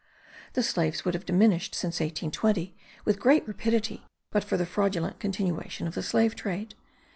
The slaves would have diminished, since 1820, with great rapidity, but for the fraudulent continuation of the slave trade.